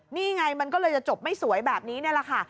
นี่ไงมันก็เลยจะจบไม่สวยแบบนี้นี่แหละค่ะ